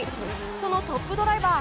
そのトップドライバー